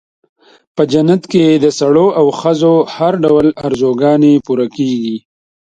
په جنت کې د سړیو او ښځو هر ډول آرزوګانې پوره کېږي.